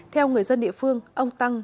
theo người dân địa phương ông tăng